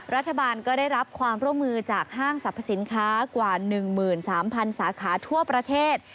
รัฐบาลก็ได้รับความร่วมมือจากห้างสรรพสินค้ากว่า๑๓๐๐สาขาทั่วประเทศ